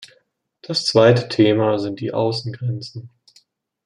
Das zweite Thema sind die Außengrenzen.